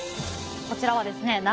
こちらはですね